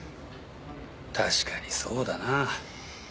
確かにそうだな。